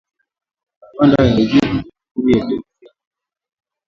Rwanda yaijibu Jamhuri ya Kidemokrasia ya Kongo